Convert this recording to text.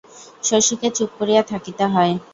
শশীকে চুপ করিয়া থাকিতে হয়।